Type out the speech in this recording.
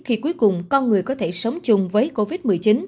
khi cuối cùng con người có thể sống chung với covid một mươi chín